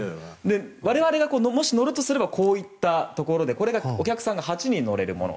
我々が乗るとすればこういったところでお客さんが８人乗れるもの。